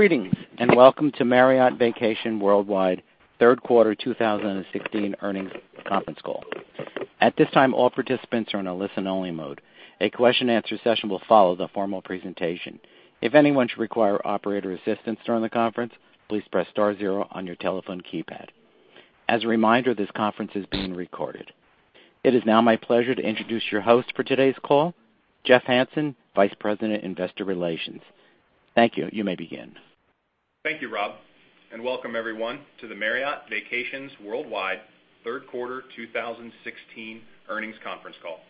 Greetings, and welcome to Marriott Vacations Worldwide third quarter 2016 earnings conference call. At this time, all participants are in a listen-only mode. A question and answer session will follow the formal presentation. If anyone should require operator assistance during the conference, please press star zero on your telephone keypad. As a reminder, this conference is being recorded. It is now my pleasure to introduce your host for today's call, Jeff Hansen, Vice President, Investor Relations. Thank you. You may begin. Thank you, Rob, and welcome everyone to the Marriott Vacations Worldwide third quarter 2016 earnings conference call.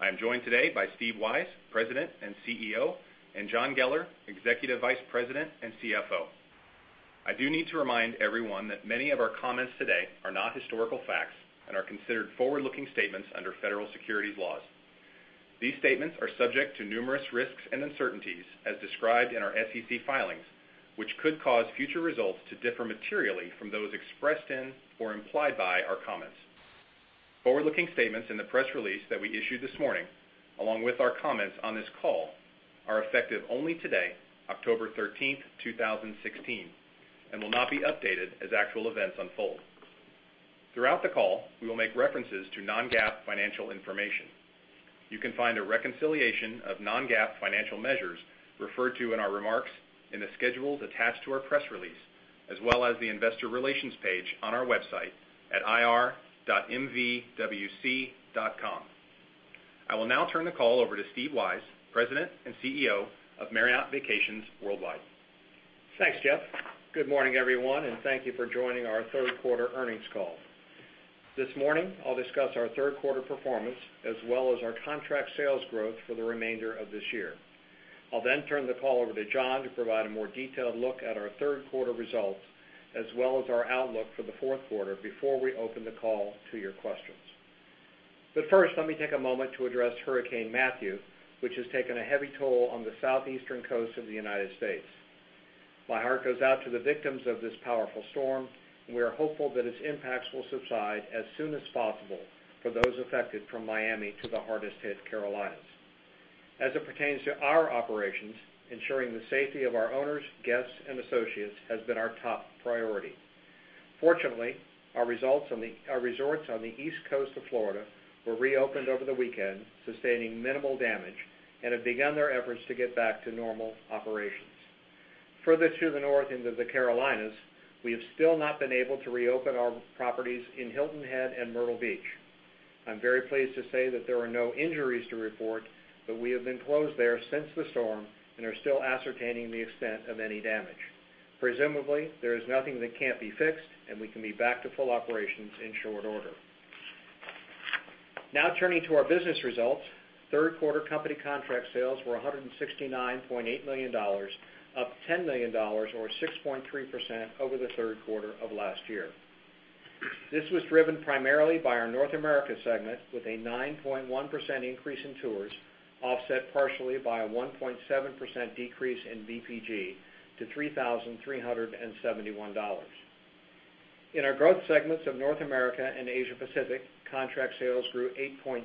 I am joined today by Steve Weisz, President and CEO, and John Geller, Executive Vice President and CFO. I do need to remind everyone that many of our comments today are not historical facts and are considered forward-looking statements under federal securities laws. These statements are subject to numerous risks and uncertainties as described in our SEC filings, which could cause future results to differ materially from those expressed in or implied by our comments. Forward-looking statements in the press release that we issued this morning, along with our comments on this call, are effective only today, October 13th, 2016, and will not be updated as actual events unfold. Throughout the call, we will make references to non-GAAP financial information. You can find a reconciliation of non-GAAP financial measures referred to in our remarks in the schedules attached to our press release, as well as the investor relations page on our website at ir.mvwc.com. I will now turn the call over to Steve Weisz, President and CEO of Marriott Vacations Worldwide. Thanks, Jeff. Good morning, everyone, and thank you for joining our third quarter earnings call. This morning, I'll discuss our third quarter performance as well as our contract sales growth for the remainder of this year. I'll then turn the call over to John to provide a more detailed look at our third quarter results, as well as our outlook for the fourth quarter before we open the call to your questions. First, let me take a moment to address Hurricane Matthew, which has taken a heavy toll on the southeastern coast of the United States. My heart goes out to the victims of this powerful storm, and we are hopeful that its impacts will subside as soon as possible for those affected from Miami to the hardest hit Carolinas. As it pertains to our operations, ensuring the safety of our owners, guests, and associates has been our top priority. Fortunately, our resorts on the east coast of Florida were reopened over the weekend, sustaining minimal damage and have begun their efforts to get back to normal operations. Further to the north into the Carolinas, we have still not been able to reopen our properties in Hilton Head and Myrtle Beach. I am very pleased to say that there are no injuries to report, but we have been closed there since the storm and are still ascertaining the extent of any damage. Presumably, there is nothing that can't be fixed and we can be back to full operations in short order. Turning to our business results. Third quarter company contract sales were $169.8 million, up $10 million or 6.3% over the third quarter of last year. This was driven primarily by our North America segment with a 9.1% increase in tours, offset partially by a 1.7% decrease in VPG to $3,371. In our growth segments of North America and Asia Pacific, contract sales grew 8.3%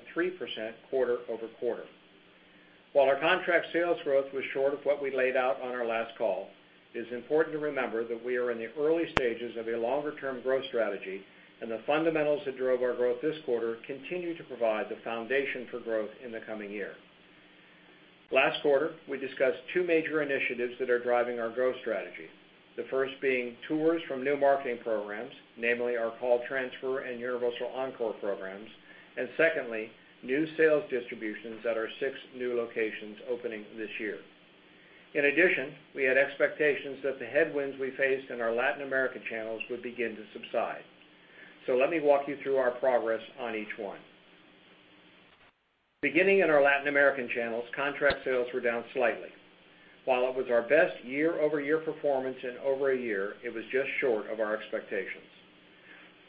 quarter-over-quarter. While our contract sales growth was short of what we laid out on our last call, it is important to remember that we are in the early stages of a longer-term growth strategy and the fundamentals that drove our growth this quarter continue to provide the foundation for growth in the coming year. Last quarter, we discussed two major initiatives that are driving our growth strategy. The first being tours from new marketing programs, namely our call transfer and universal Encore programs. And secondly, new sales distributions at our six new locations opening this year. In addition, we had expectations that the headwinds we faced in our Latin American channels would begin to subside. Let me walk you through our progress on each one. Beginning in our Latin American channels, contract sales were down slightly. While it was our best year-over-year performance in over a year, it was just short of our expectations.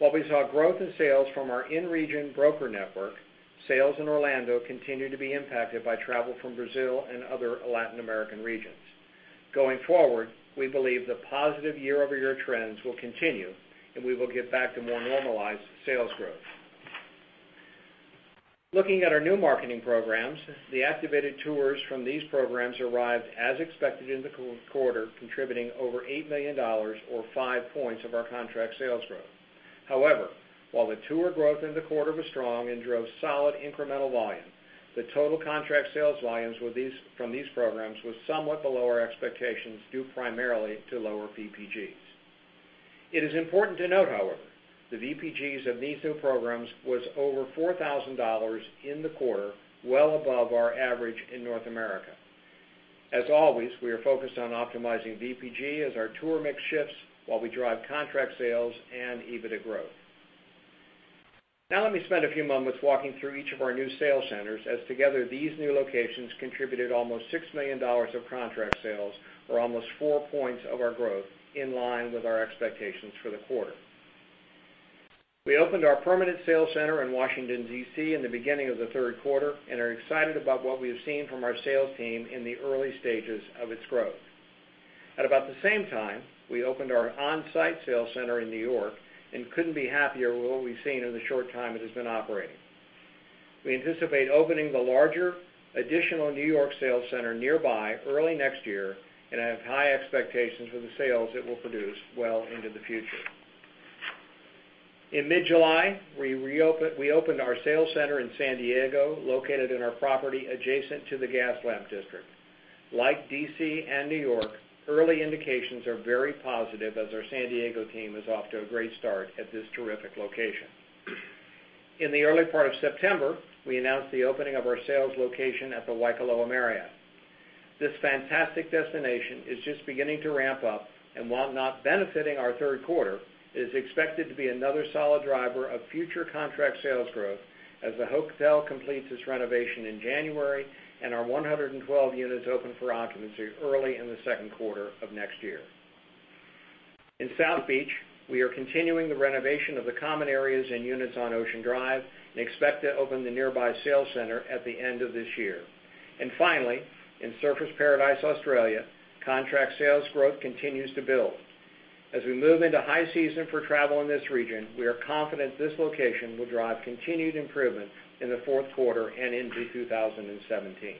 While we saw growth in sales from our in-region broker network, sales in Orlando continued to be impacted by travel from Brazil and other Latin American regions. Going forward, we believe the positive year-over-year trends will continue, and we will get back to more normalized sales growth. Looking at our new marketing programs, the activated tours from these programs arrived as expected in the quarter, contributing over $8 million or five points of our contract sales growth. However, while the tour growth in the quarter was strong and drove solid incremental volume, the total contract sales volumes from these programs was somewhat below our expectations, due primarily to lower VPGs. It is important to note, however, the VPGs of these new programs was over $4,000 in the quarter, well above our average in North America. As always, we are focused on optimizing VPG as our tour mix shifts while we drive contract sales and EBITDA growth. Let me spend a few moments walking through each of our new sales centers as together these new locations contributed almost $6 million of contract sales or almost four points of our growth in line with our expectations for the quarter. We opened our permanent sales center in Washington, D.C., in the beginning of the third quarter and are excited about what we have seen from our sales team in the early stages of its growth. At about the same time, we opened our on-site sales center in New York and couldn't be happier with what we've seen in the short time it has been operating. We anticipate opening the larger additional New York sales center nearby early next year and have high expectations for the sales it will produce well into the future. In mid-July, we opened our sales center in San Diego, located on our property adjacent to the Gaslamp District. Like D.C. and New York, early indications are very positive as our San Diego team is off to a great start at this terrific location. In the early part of September, we announced the opening of our sales location at the Waikoloa Marriott. This fantastic destination is just beginning to ramp up, and while not benefiting our third quarter, it is expected to be another solid driver of future contract sales growth as the hotel completes its renovation in January and our 112 units open for occupancy early in the second quarter of next year. Finally, in Surfers Paradise, Australia, contract sales growth continues to build. As we move into high season for travel in this region, we are confident this location will drive continued improvement in the fourth quarter and into 2017.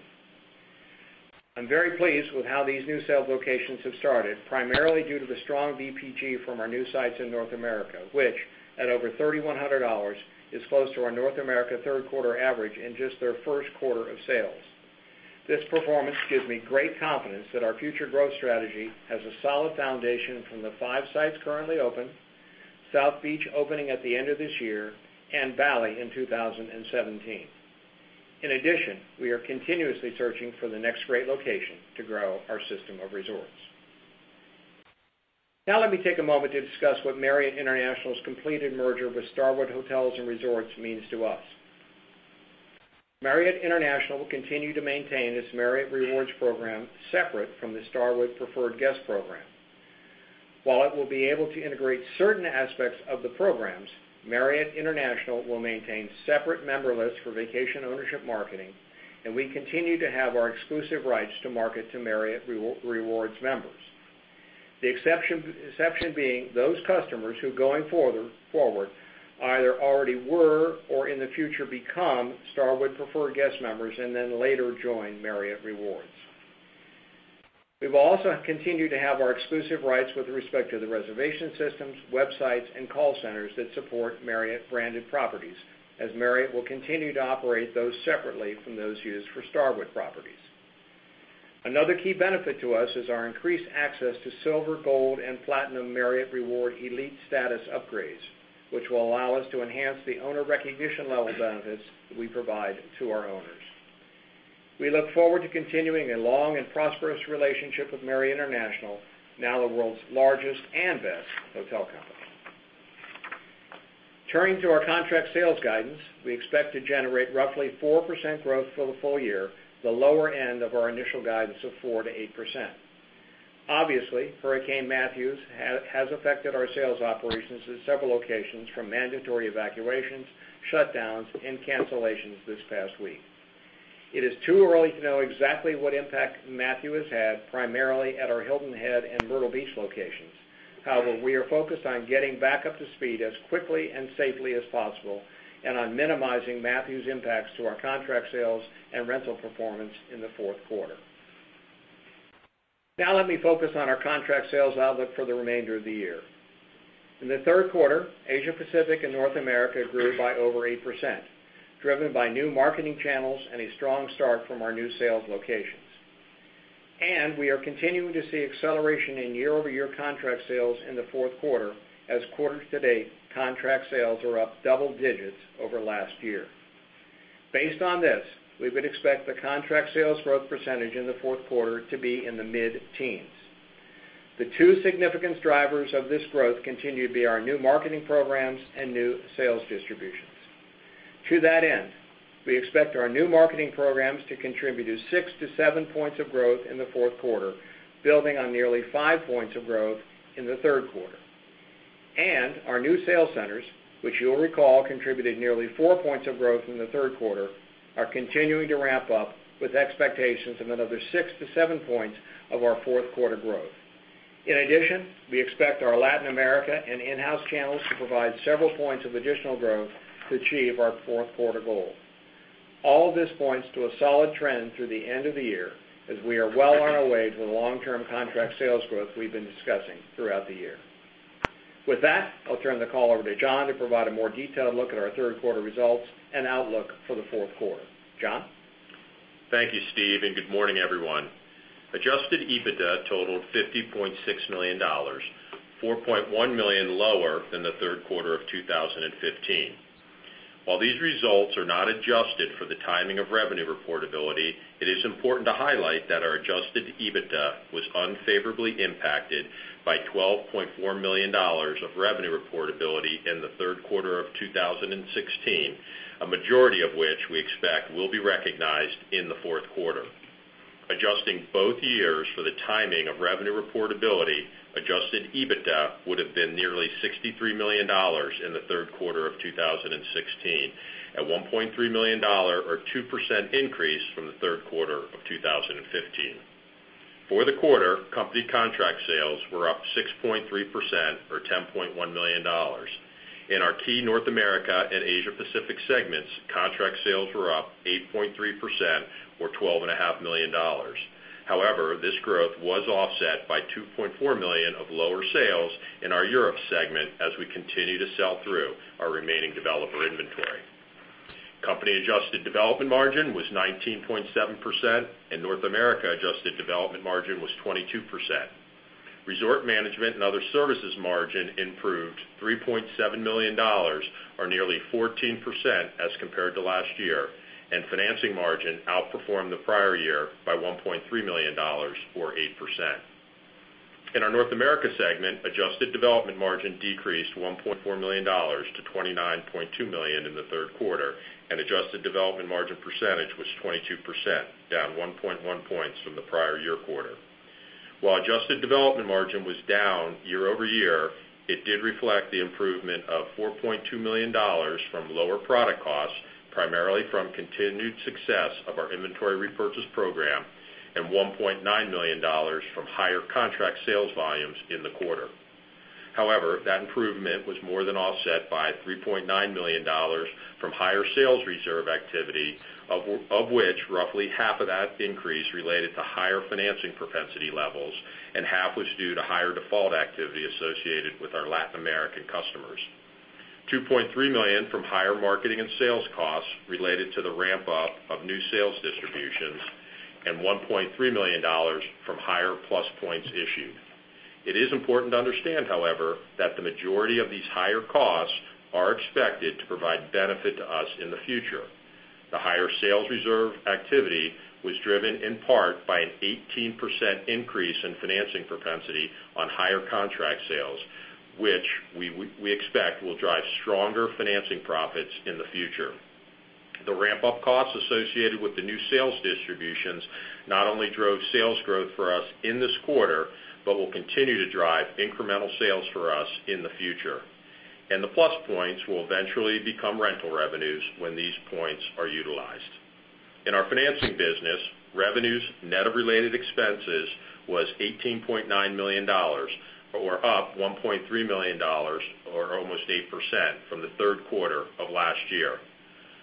I'm very pleased with how these new sales locations have started, primarily due to the strong VPG from our new sites in North America, which at over $3,100, is close to our North America third-quarter average in just their first quarter of sales. This performance gives me great confidence that our future growth strategy has a solid foundation from the five sites currently open, South Beach opening at the end of this year, and Bali in 2017. In addition, we are continuously searching for the next great location to grow our system of resorts. Let me take a moment to discuss what Marriott International's completed merger with Starwood Hotels & Resorts means to us. Marriott International will continue to maintain its Marriott Rewards program separate from the Starwood Preferred Guest program. While it will be able to integrate certain aspects of the programs, Marriott International will maintain separate member lists for vacation ownership marketing, we continue to have our exclusive rights to market to Marriott Rewards members. The exception being those customers who, going forward, either already were or in the future become Starwood Preferred Guest members later join Marriott Rewards. We will also continue to have our exclusive rights with respect to the reservation systems, websites, and call centers that support Marriott-branded properties, as Marriott will continue to operate those separately from those used for Starwood properties. Another key benefit to us is our increased access to Silver, Gold, and Platinum Marriott Rewards elite status upgrades, which will allow us to enhance the owner recognition level benefits we provide to our owners. We look forward to continuing a long and prosperous relationship with Marriott International, now the world's largest and best hotel company. Turning to our contract sales guidance, we expect to generate roughly 4% growth for the full year, the lower end of our initial guidance of 4%-8%. Obviously, Hurricane Matthew has affected our sales operations at several locations, from mandatory evacuations, shutdowns, and cancellations this past week. It is too early to know exactly what impact Matthew has had, primarily at our Hilton Head and Myrtle Beach locations. However, we are focused on getting back up to speed as quickly and safely as possible and on minimizing Matthew's impacts to our contract sales and rental performance in the fourth quarter. Now let me focus on our contract sales outlook for the remainder of the year. In the third quarter, Asia Pacific and North America grew by over 8%, driven by new marketing channels and a strong start from our new sales locations. We are continuing to see acceleration in year-over-year contract sales in the fourth quarter as quarter-to-date contract sales are up double digits over last year. Based on this, we would expect the contract sales growth percentage in the fourth quarter to be in the mid-teens. The two significant drivers of this growth continue to be our new marketing programs and new sales distributions. To that end, we expect our new marketing programs to contribute six to seven points of growth in the fourth quarter, building on nearly five points of growth in the third quarter. Our new sales centers, which you'll recall contributed nearly four points of growth in the third quarter, are continuing to ramp up with expectations of another six to seven points of our fourth-quarter growth. In addition, we expect our Latin America and in-house channels to provide several points of additional growth to achieve our fourth-quarter goal. All of this points to a solid trend through the end of the year as we are well on our way to the long-term contract sales growth we've been discussing throughout the year. With that, I'll turn the call over to John to provide a more detailed look at our third-quarter results and outlook for the fourth quarter. John? Thank you, Steve, and good morning, everyone. Adjusted EBITDA totaled $50.6 million, $4.1 million lower than the third quarter of 2015. While these results are not adjusted for the timing of revenue reportability, it is important to highlight that our adjusted EBITDA was unfavorably impacted by $12.4 million of revenue reportability in the third quarter of 2016, a majority of which we expect will be recognized in the fourth quarter. Adjusting both years for the timing of revenue reportability, adjusted EBITDA would have been nearly $63 million in the third quarter of 2016, a $1.3 million or 2% increase from the third quarter of 2015. For the quarter, company contract sales were up 6.3%, or $10.1 million. In our key North America and Asia Pacific segments, contract sales were up 8.3%, or $12.5 million. This growth was offset by $2.4 million of lower sales in our Europe segment as we continue to sell through our remaining developer inventory. Company adjusted development margin was 19.7%, and North America adjusted development margin was 22%. Resort management and other services margin improved $3.7 million, or nearly 14% as compared to last year, and financing margin outperformed the prior year by $1.3 million, or 8%. In our North America segment, adjusted development margin decreased $1.4 million to $29.2 million in the third quarter, and adjusted development margin percentage was 22%, down 1.1 points from the prior year quarter. While adjusted development margin was down year-over-year, it did reflect the improvement of $4.2 million from lower product costs, primarily from continued success of our inventory repurchase program, and $1.9 million from higher contract sales volumes in the quarter. That improvement was more than offset by $3.9 million from higher sales reserve activity, of which roughly half of that increase related to higher financing propensity levels and half was due to higher default activity associated with our Latin American customers. $2.3 million from higher marketing and sales costs related to the ramp-up of new sales distributions and $1.3 million from higher Plus Points issued. It is important to understand, however, that the majority of these higher costs are expected to provide benefit to us in the future. The higher sales reserve activity was driven in part by an 18% increase in financing propensity on higher contract sales, which we expect will drive stronger financing profits in the future. The ramp-up costs associated with the new sales distributions not only drove sales growth for us in this quarter, but will continue to drive incremental sales for us in the future. The Plus Points will eventually become rental revenues when these points are utilized. In our financing business, revenues net of related expenses was $18.9 million, or up $1.3 million, or almost 8% from the third quarter of last year.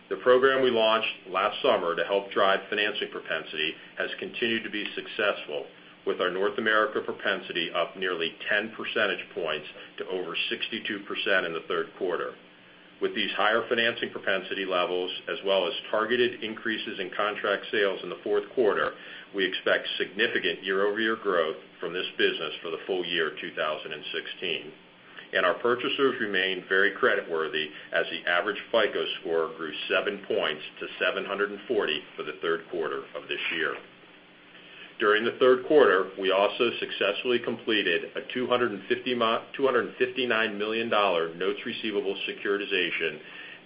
The program we launched last summer to help drive financing propensity has continued to be successful with our North America propensity up nearly 10 percentage points to over 62% in the third quarter. With these higher financing propensity levels as well as targeted increases in contract sales in the fourth quarter, we expect significant year-over-year growth from this business for the full year 2016. Our purchasers remain very creditworthy as the average FICO score grew seven points to 740 for the third quarter of this year. During the third quarter, we also successfully completed a $259 million notes receivable securitization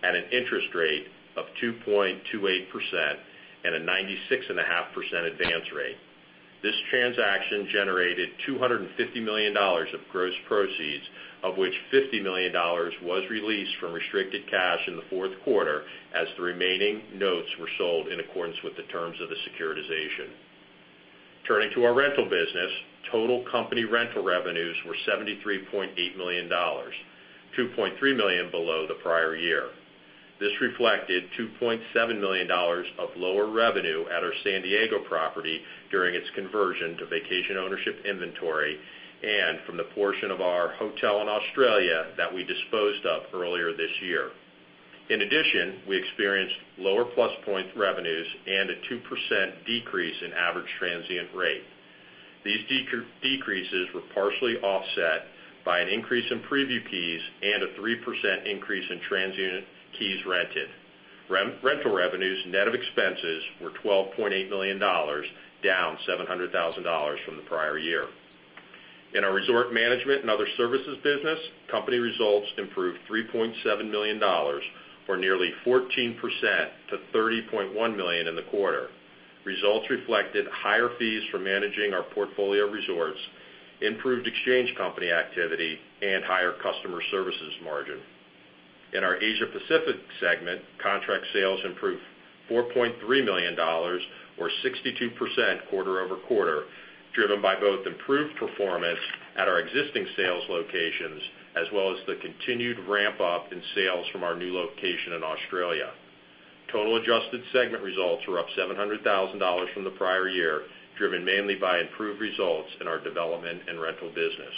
at an interest rate of 2.28% and a 96.5% advance rate. This transaction generated $250 million of gross proceeds, of which $50 million was released from restricted cash in the fourth quarter as the remaining notes were sold in accordance with the terms of the securitization. Turning to our rental business, total company rental revenues were $73.8 million, $2.3 million below the prior year. This reflected $2.7 million of lower revenue at our San Diego property during its conversion to vacation ownership inventory and from the portion of our hotel in Australia that we disposed of earlier this year. In addition, we experienced lower Plus Points revenues and a 2% decrease in average transient rate. These decreases were partially offset by an increase in preview keys and a 3% increase in transient keys rented. Rental revenues net of expenses were $12.8 million, down $700,000 from the prior year. In our resort management and other services business, company results improved $3.7 million, or nearly 14%, to $30.1 million in the quarter. Results reflected higher fees for managing our portfolio of resorts, improved exchange company activity, and higher customer services margin. In our Asia Pacific segment, contract sales improved $4.3 million, or 62% quarter-over-quarter, driven by both improved performance at our existing sales locations as well as the continued ramp-up in sales from our new location in Australia. Total adjusted segment results were up $700,000 from the prior year, driven mainly by improved results in our development and rental business.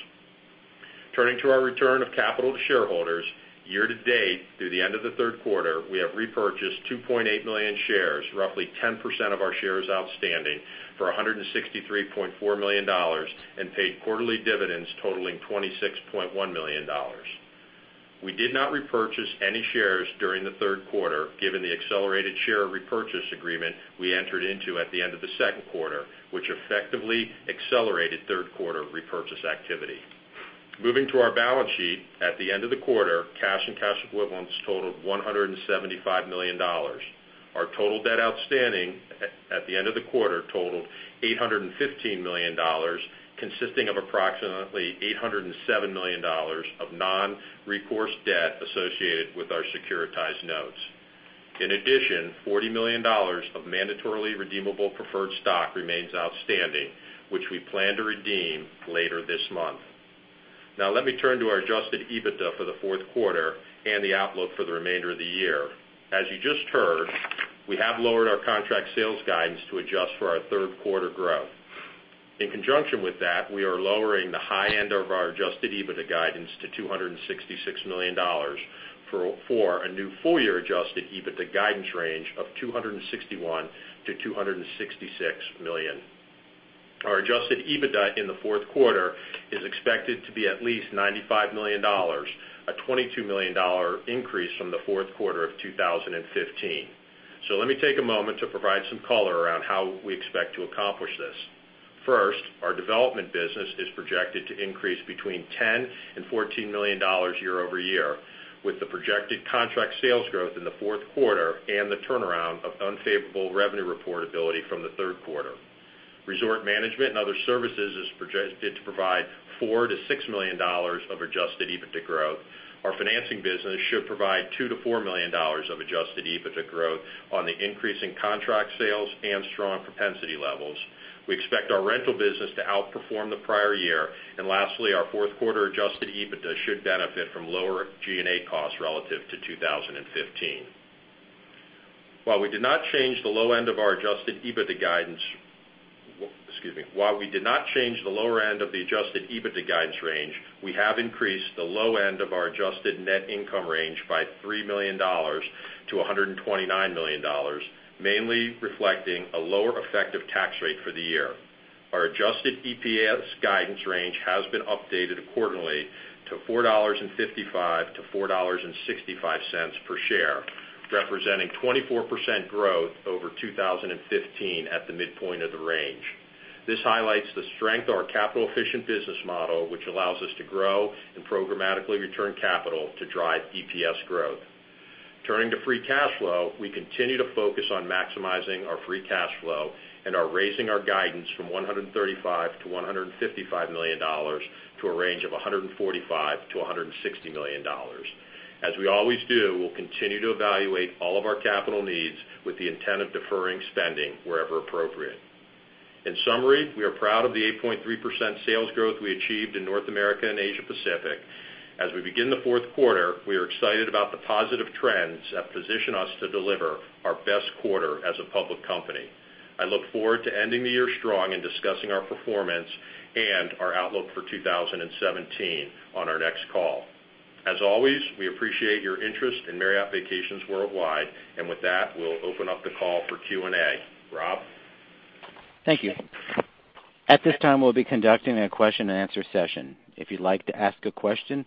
Turning to our return of capital to shareholders, year-to-date through the end of the third quarter, we have repurchased 2.8 million shares, roughly 10% of our shares outstanding, for $163.4 million and paid quarterly dividends totaling $26.1 million. We did not repurchase any shares during the third quarter, given the accelerated share repurchase agreement we entered into at the end of the second quarter, which effectively accelerated third-quarter repurchase activity. Moving to our balance sheet. At the end of the quarter, cash and cash equivalents totaled $175 million. Our total debt outstanding at the end of the quarter totaled $815 million, consisting of approximately $807 million of non-recourse debt associated with our securitized notes. In addition, $40 million of mandatorily redeemable preferred stock remains outstanding, which we plan to redeem later this month. Now let me turn to our adjusted EBITDA for the fourth quarter and the outlook for the remainder of the year. As you just heard, we have lowered our contract sales guidance to adjust for our third quarter growth. In conjunction with that, we are lowering the high end of our adjusted EBITDA guidance to $266 million for a new full year adjusted EBITDA guidance range of $261 million to $266 million. Our adjusted EBITDA in the fourth quarter is expected to be at least $95 million, a $22 million increase from the fourth quarter of 2015. So let me take a moment to provide some color around how we expect to accomplish this. First, our development business is projected to increase between $10 million and $14 million year-over-year, with the projected contract sales growth in the fourth quarter and the turnaround of unfavorable revenue reportability from the third quarter. Resort management and other services is projected to provide $4 million to $6 million of adjusted EBITDA growth. Our financing business should provide $2 million to $4 million of adjusted EBITDA growth on the increase in contract sales and strong propensity levels. We expect our rental business to outperform the prior year. And lastly, our fourth quarter adjusted EBITDA should benefit from lower G&A costs relative to 2015. While we did not change the low end of our adjusted EBITDA guidance, excuse me. While we did not change the lower end of the adjusted EBITDA guidance range, we have increased the low end of our adjusted net income range by $3 million to $129 million, mainly reflecting a lower effective tax rate for the year. Our adjusted EPS guidance range has been updated accordingly to $4.55 to $4.65 per share, representing 24% growth over 2015 at the midpoint of the range. This highlights the strength of our capital-efficient business model, which allows us to grow and programmatically return capital to drive EPS growth. Turning to free cash flow, we continue to focus on maximizing our free cash flow and are raising our guidance from $135 million to $155 million to a range of $145 million to $160 million. As we always do, we'll continue to evaluate all of our capital needs with the intent of deferring spending wherever appropriate. In summary, we are proud of the 8.3% sales growth we achieved in North America and Asia Pacific. As we begin the fourth quarter, we are excited about the positive trends that position us to deliver our best quarter as a public company. I look forward to ending the year strong and discussing our performance and our outlook for 2017 on our next call. As always, we appreciate your interest in Marriott Vacations Worldwide. With that, we'll open up the call for Q&A. Rob? Thank you. At this time, we'll be conducting a question and answer session. If you'd like to ask a question,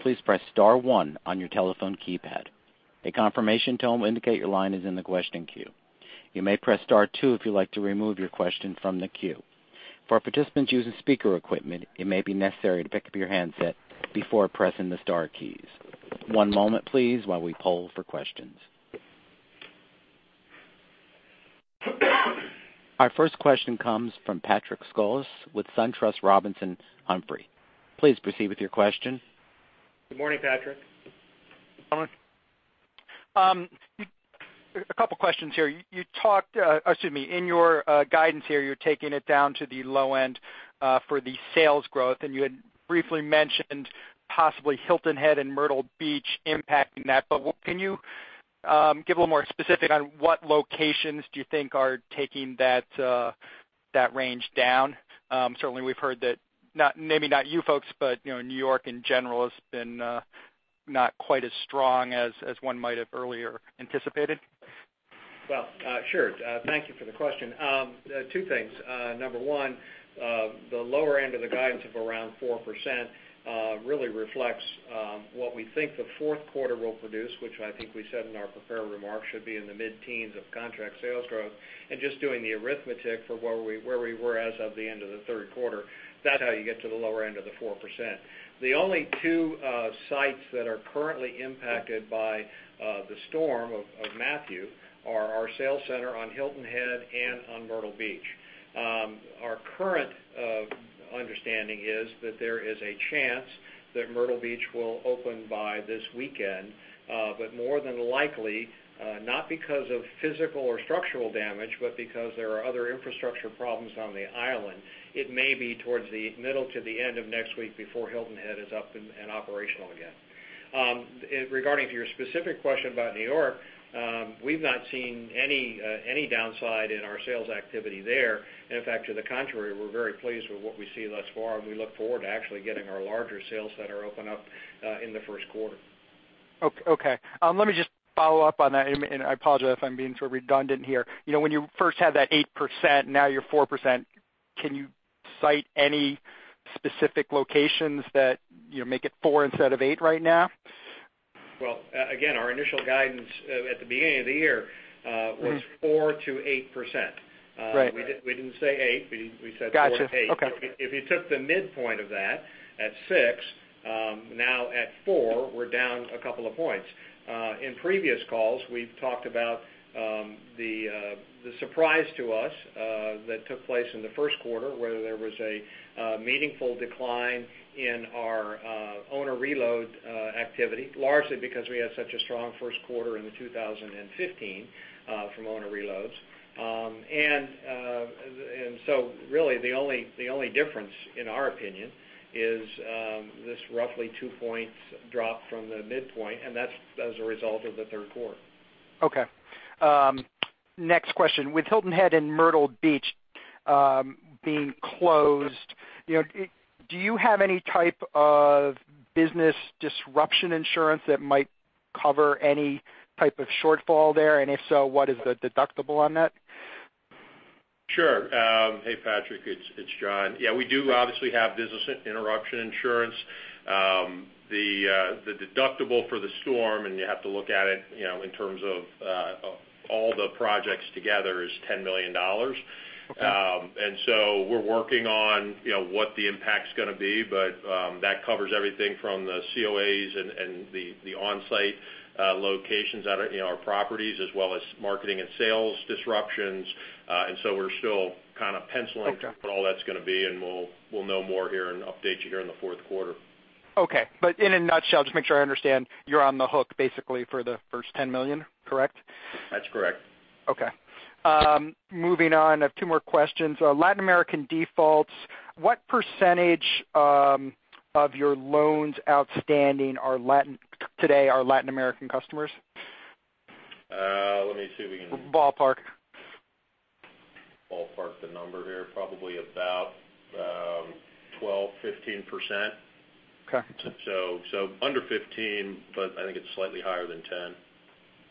please press star one on your telephone keypad. A confirmation tone will indicate your line is in the question queue. You may press star two if you'd like to remove your question from the queue. For participants using speaker equipment, it may be necessary to pick up your handset before pressing the star keys. One moment, please, while we poll for questions. Our first question comes from Patrick Scholes with SunTrust Robinson Humphrey. Please proceed with your question. Good morning, Patrick. A couple questions here. In your guidance here, you're taking it down to the low end for the sales growth, and you had briefly mentioned possibly Hilton Head and Myrtle Beach impacting that. Can you give a little more specific on what locations do you think are taking that range down? Certainly, we've heard that, maybe not you folks, but New York in general has been not quite as strong as one might have earlier anticipated. Well, sure. Thank you for the question. Two things. Number one, the lower end of the guidance of around 4% really reflects what we think the fourth quarter will produce, which I think we said in our prepared remarks should be in the mid-teens of contract sales growth and just doing the arithmetic for where we were as of the end of the third quarter. That's how you get to the lower end of the 4%. The only two sites that are currently impacted by the storm of Hurricane Matthew are our sales center on Hilton Head and on Myrtle Beach. Our current understanding is that there is a chance that Myrtle Beach will open by this weekend. More than likely, not because of physical or structural damage, but because there are other infrastructure problems on the island, it may be towards the middle to the end of next week before Hilton Head is up and operational again. Regarding to your specific question about New York, we've not seen any downside in our sales activity there. In fact, to the contrary, we're very pleased with what we see thus far, and we look forward to actually getting our larger sales center open up in the first quarter. Okay. Let me just follow up on that, and I apologize if I'm being too redundant here. When you first had that 8%, now you're 4%, can you cite any specific locations that make it 4% instead of 8% right now? Well, again, our initial guidance at the beginning of the year was 4%-8%. Right. We didn't say 8%, we said 4%-8%. Got you. Okay. If you took the midpoint of that at 6%, now at 4%, we're down a couple of points. In previous calls, we've talked about Surprise to us that took place in the first quarter, where there was a meaningful decline in our owner reload activity, largely because we had such a strong first quarter in 2015 from owner reloads. Really, the only difference, in our opinion, is this roughly two points drop from the midpoint, and that's as a result of the third quarter. Okay. Next question: with Hilton Head and Myrtle Beach being closed, do you have any type of business disruption insurance that might cover any type of shortfall there? If so, what is the deductible on that? Sure. Hey, Patrick, it's John. Yeah, we do obviously have business interruption insurance. The deductible for the storm, and you have to look at it in terms of all the projects together, is $10 million. Okay. We're working on what the impact's going to be, but that covers everything from the COAs and the on-site locations at our properties, as well as marketing and sales disruptions. Okay what all that's going to be, and we'll know more here and update you here in the fourth quarter. Okay. In a nutshell, just make sure I understand, you're on the hook basically for the first $10 million, correct? That's correct. Okay. Moving on, I have two more questions. Latin American defaults, what % of your loans outstanding today are Latin American customers? Let me see if we can. Ballpark. Ballpark the number here. Probably about 12%, 15%. Okay. Under 15%, but I think it's slightly higher than 10.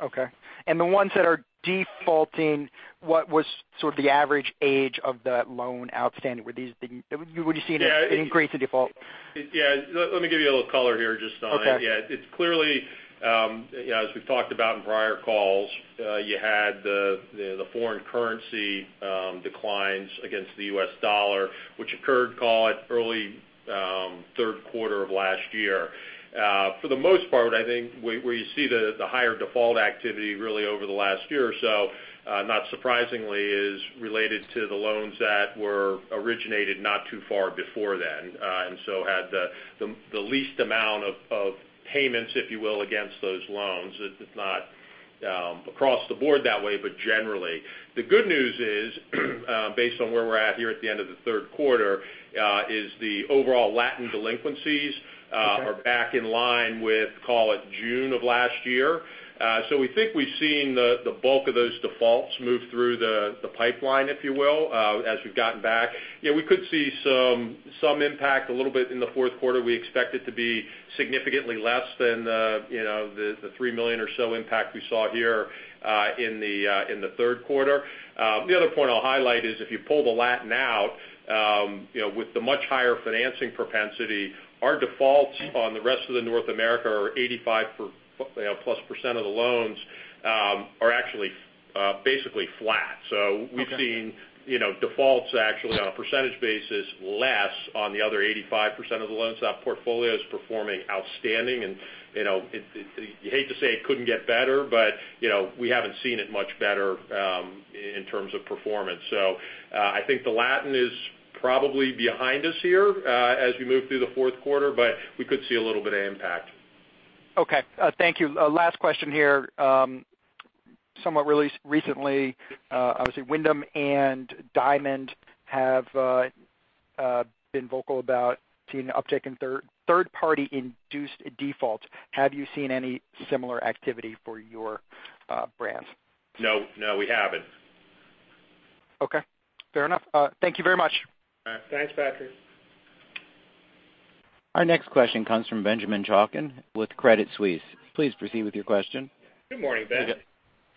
Okay. The ones that are defaulting, what was sort of the average age of that loan outstanding? What are you seeing that increased the default? Yeah. Let me give you a little color here just on it. Okay. Yeah, it's clearly, as we've talked about in prior calls, you had the foreign currency declines against the U.S. dollar, which occurred, call it early third quarter of last year. For the most part, I think where you see the higher default activity really over the last year or so, not surprisingly, is related to the loans that were originated not too far before then, and so had the least amount of payments, if you will, against those loans. It's not across the board that way, but generally. The good news is based on where we're at here at the end of the third quarter, is the overall Latin delinquencies- Okay are back in line with, call it June of last year. We think we've seen the bulk of those defaults move through the pipeline, if you will, as we've gotten back. Yeah, we could see some impact a little bit in the fourth quarter. We expect it to be significantly less than the $3 million or so impact we saw here in the third quarter. The other point I'll highlight is if you pull the Latin out, with the much higher financing propensity, our defaults on the rest of the North America are 85% plus of the loans are actually basically flat. Okay. We've seen defaults actually on a percentage basis less on the other 85% of the loan stock portfolios performing outstanding, and you hate to say it couldn't get better, but we haven't seen it much better in terms of performance. I think the Latin is probably behind us here as we move through the fourth quarter, but we could see a little bit of impact. Okay. Thank you. Last question here. Somewhat recently, I would say Wyndham and Diamond have been vocal about seeing an uptick in third-party induced defaults. Have you seen any similar activity for your brands? No, we haven't. Okay. Fair enough. Thank you very much. All right. Thanks, Patrick. Our next question comes from Benjamin Chaiken with Credit Suisse. Please proceed with your question. Good morning, Ben.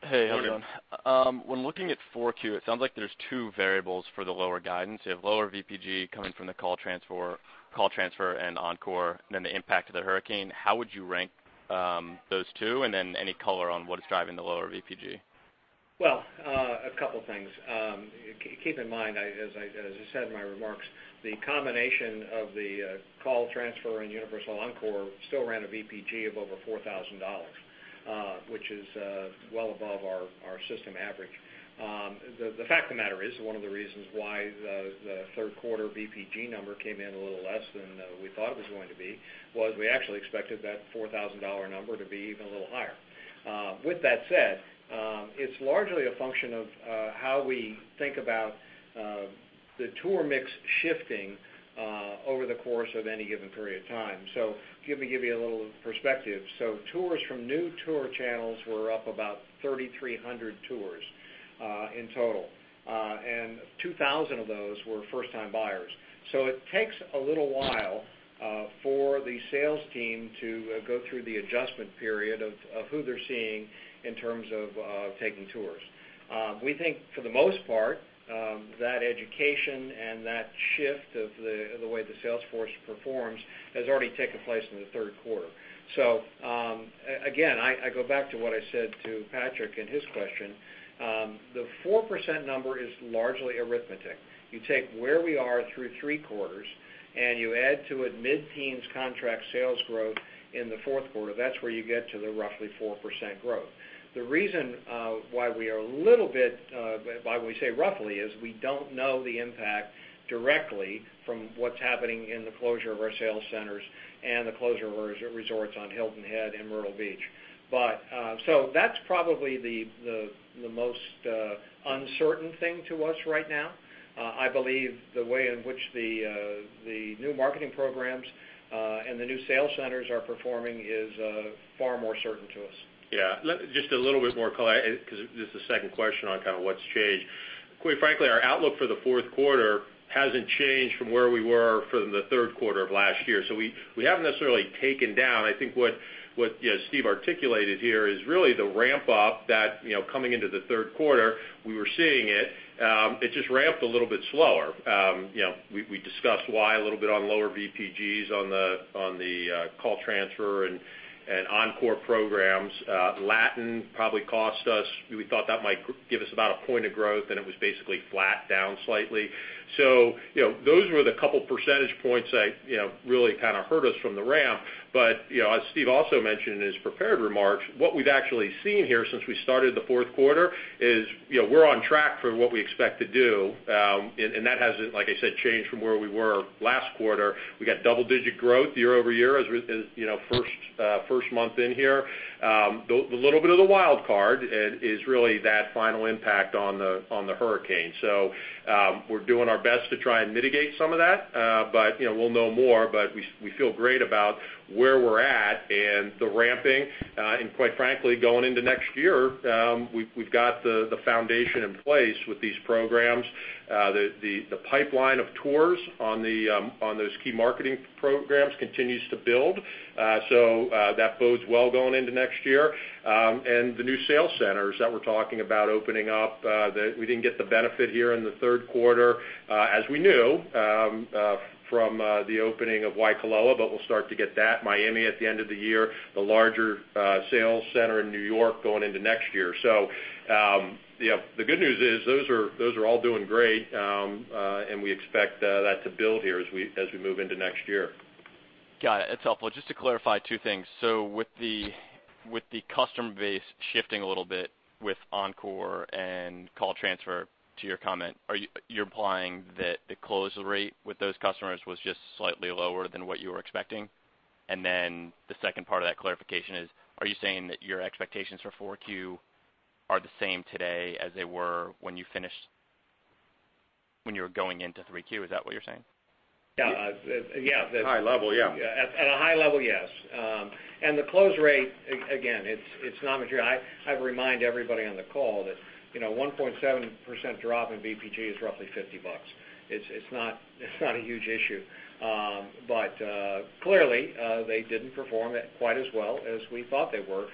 Hey, how's it going? When looking at four Q, it sounds like there's two variables for the lower guidance. You have lower VPG coming from the call transfer and Encore, and then the impact of the hurricane. How would you rank those two? Any color on what is driving the lower VPG? Well, a couple things. Keep in mind, as I said in my remarks, the combination of the call transfer and Universal Encore still ran a VPG of over $4,000, which is well above our system average. The fact of the matter is, one of the reasons why the third quarter VPG number came in a little less than we thought it was going to be was we actually expected that $4,000 number to be even a little higher. With that said, it's largely a function of how we think about the tour mix shifting over the course of any given period of time. Let me give you a little perspective. Tours from new tour channels were up about 3,300 tours in total. 2,000 of those were first-time buyers. It takes a little while for the sales team to go through the adjustment period of who they're seeing in terms of taking tours. We think, for the most part, that education and that shift of the way the sales force performs has already taken place in the third quarter. Again, I go back to what I said to Patrick in his question. The 4% number is largely arithmetic. You take where we are through three quarters and you add to it mid-teens contract sales growth in the fourth quarter, that's where you get to the roughly 4% growth. The reason why we say roughly is we don't know the impact directly from what's happening in the closure of our sales centers and the closure of our resorts on Hilton Head and Myrtle Beach. That's probably the most uncertain thing to us right now. I believe the way in which the new marketing programs, and the new sales centers are performing is far more certain to us. Yeah. Just a little bit more color, because this is the second question on kind of what's changed. Quite frankly, our outlook for the fourth quarter hasn't changed from where we were from the third quarter of last year. We haven't necessarily taken down. I think what Steve articulated here is really the ramp up that, coming into the third quarter, we were seeing it. It just ramped a little bit slower. We discussed why a little bit on lower VPGs on the call transfer and Encore programs. Latin probably cost us. We thought that might give us about a point of growth, and it was basically flat down slightly. Those were the couple percentage points that really kind of hurt us from the ramp. As Steve also mentioned in his prepared remarks, what we've actually seen here since we started the fourth quarter is we're on track for what we expect to do, and that hasn't, like I said, changed from where we were last quarter. We got double-digit growth year-over-year, as first month in here. The little bit of the wild card is really that final impact on the hurricane. We're doing our best to try and mitigate some of that, but we'll know more, but we feel great about where we're at and the ramping. Quite frankly, going into next year, we've got the foundation in place with these programs. The pipeline of tours on those key marketing programs continues to build. That bodes well going into next year. The new sales centers that we're talking about opening up, that we didn't get the benefit here in the third quarter, as we knew, from the opening of Waikoloa, but we'll start to get that Miami at the end of the year, the larger sales center in New York going into next year. The good news is those are all doing great, and we expect that to build here as we move into next year. Got it. That's helpful. Just to clarify two things. With the customer base shifting a little bit with Encore and call transfer to your comment, you're implying that the close rate with those customers was just slightly lower than what you were expecting? Then the second part of that clarification is, are you saying that your expectations for 4Q are the same today as they were when you were going into 3Q? Is that what you're saying? Yeah. High level, yeah. At a high level, yes. The close rate, again, it's not material. I remind everybody on the call that, a 1.7% drop in VPG is roughly $50. It's not a huge issue. Clearly, they didn't perform quite as well as we thought they were.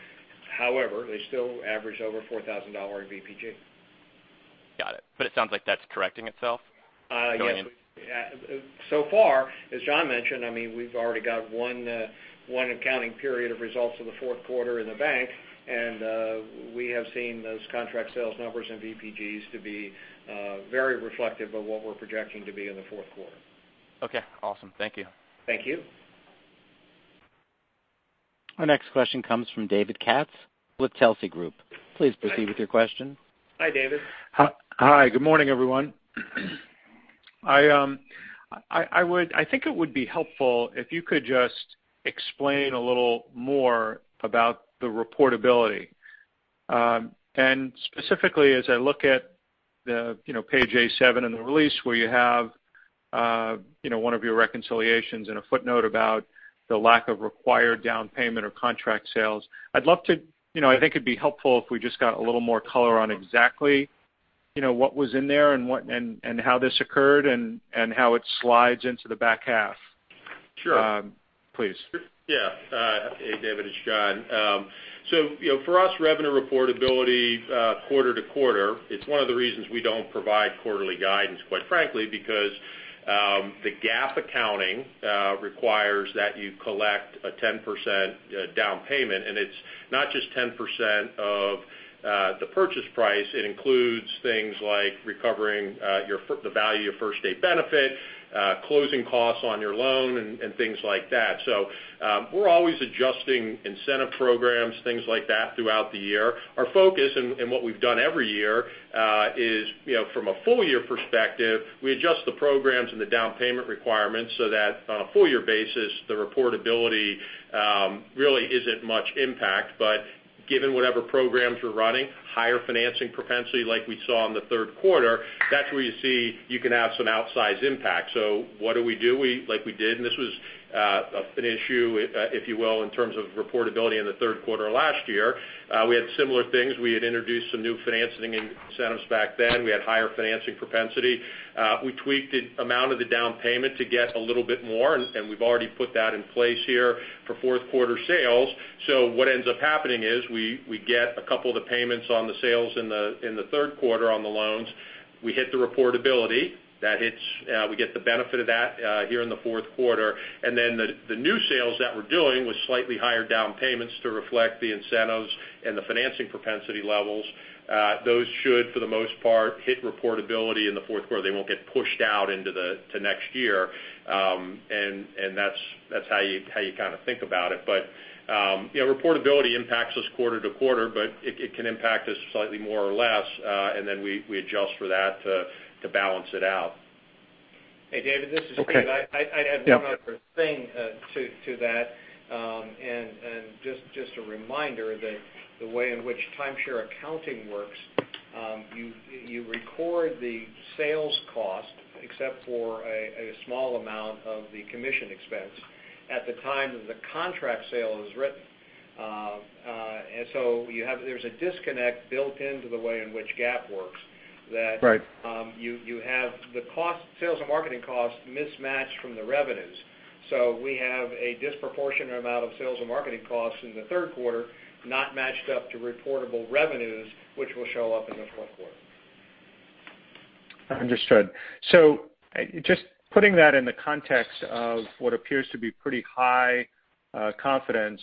However, they still average over $4,000 in VPG. Got it. It sounds like that's correcting itself going in- So far, as John mentioned, we've already got one accounting period of results in the fourth quarter in the bank, and we have seen those contract sales numbers and VPGs to be very reflective of what we're projecting to be in the fourth quarter. Awesome. Thank you. Thank you. Our next question comes from David Katz with Telsey Group. Please proceed with your question. Hi, David. Hi. Good morning, everyone. I think it would be helpful if you could just explain a little more about the reportability. Specifically, as I look at page A7 in the release where you have one of your reconciliations and a footnote about the lack of required down payment or contract sales. I think it'd be helpful if we just got a little more color on exactly what was in there and how this occurred and how it slides into the back half. Sure. Please. Yeah. Hey, David, it's John. For us, revenue reportability quarter to quarter, it's one of the reasons we don't provide quarterly guidance, quite frankly, because the GAAP accounting requires that you collect a 10% down payment, and it's not just 10% of the purchase price. It includes things like recovering the value of first day benefit, closing costs on your loan, and things like that. We're always adjusting incentive programs, things like that throughout the year. Our focus and what we've done every year, is from a full year perspective, we adjust the programs and the down payment requirements so that on a full year basis, the reportability really isn't much impact. Given whatever programs we're running, higher financing propensity like we saw in the third quarter, that's where you see you can have some outsized impact. What do we do? Like we did, this was an issue, if you will, in terms of reportability in the third quarter last year. We had similar things. We had introduced some new financing incentives back then. We had higher financing propensity. We tweaked the amount of the down payment to get a little bit more, and we've already put that in place here for fourth quarter sales. What ends up happening is we get a couple of the payments on the sales in the third quarter on the loans. We hit the reportability. We get the benefit of that here in the fourth quarter. The new sales that we're doing with slightly higher down payments to reflect the incentives the financing propensity levels, those should, for the most part, hit reportability in the fourth quarter. They won't get pushed out into next year, that's how you think about it. Reportability impacts us quarter to quarter, but it can impact us slightly more or less, we adjust for that to balance it out. Hey, David, this is Steve. Okay. Yeah. I have one other thing to that, just a reminder that the way in which timeshare accounting works, you record the sales cost, except for a small amount of the commission expense, at the time that the contract sale is written. There's a disconnect built into the way in which GAAP works. Right You have the sales and marketing costs mismatched from the revenues. We have a disproportionate amount of sales and marketing costs in the third quarter, not matched up to reportable revenues, which will show up in the fourth quarter. Understood. Just putting that in the context of what appears to be pretty high confidence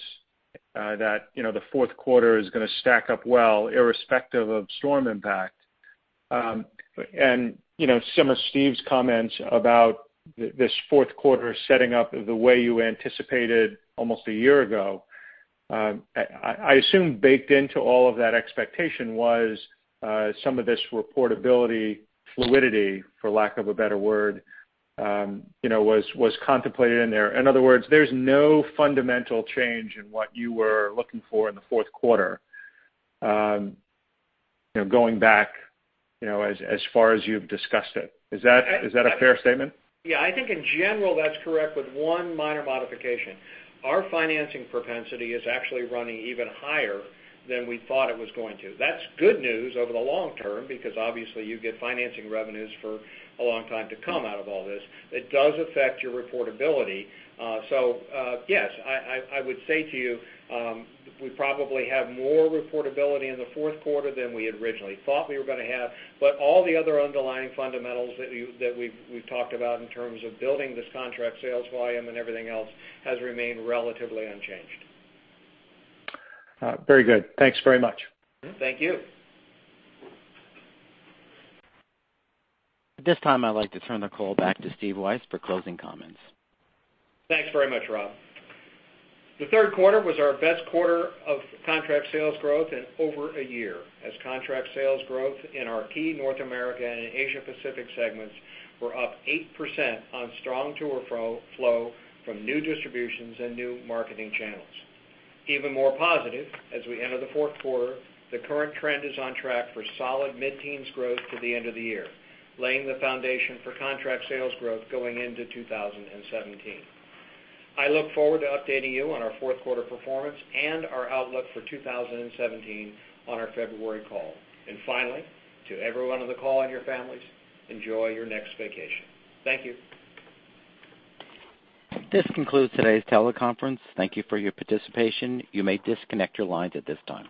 that the fourth quarter is going to stack up well, irrespective of storm impact, and similar to Steve's comments about this fourth quarter setting up the way you anticipated almost a year ago, I assume baked into all of that expectation was some of this reportability fluidity, for lack of a better word, was contemplated in there. There's no fundamental change in what you were looking for in the fourth quarter, going back as far as you've discussed it. Is that a fair statement? Yeah, I think in general, that's correct with one minor modification. Our financing propensity is actually running even higher than we thought it was going to. That's good news over the long term because obviously you get financing revenues for a long time to come out of all this. It does affect your reportability. Yes, I would say to you, we probably have more reportability in the fourth quarter than we originally thought we were going to have, but all the other underlying fundamentals that we've talked about in terms of building this contract sales volume and everything else has remained relatively unchanged. Very good. Thanks very much. Thank you. At this time, I'd like to turn the call back to Steve Weisz for closing comments. Thanks very much, Rob. The third quarter was our best quarter of contract sales growth in over a year, as contract sales growth in our key North America and Asia Pacific segments were up 8% on strong tour flow from new distributions and new marketing channels. Even more positive, as we enter the fourth quarter, the current trend is on track for solid mid-teens growth to the end of the year, laying the foundation for contract sales growth going into 2017. I look forward to updating you on our fourth quarter performance and our outlook for 2017 on our February call. Finally, to everyone on the call and your families, enjoy your next vacation. Thank you. This concludes today's teleconference. Thank you for your participation. You may disconnect your lines at this time.